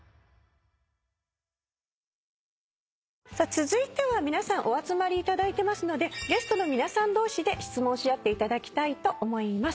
続いては皆さんお集まりいただいてますのでゲストの皆さん同士で質問し合っていただきたいと思います。